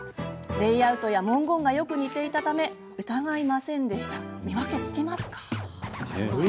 レイアウトや文言がよく似ていたため疑いませんでした。